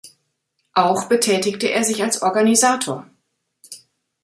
Auch betätigte er sich als Organisator.